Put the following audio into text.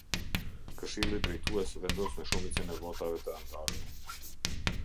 Këshilli Drejtues vendos me shumicën e votave të anëtarëve.